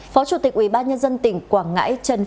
phó chủ tịch ubnd tỉnh quảng ngãi trần phước